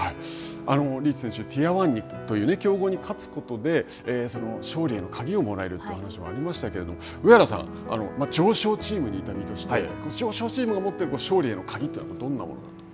リーチ選手、ティア１に、強豪に勝つことで、勝利への鍵をもらえるという話もありましたけれども、上原さん、常勝チームに痛みとして、常勝チームが持っている勝利への鍵というのは、どんなものだと。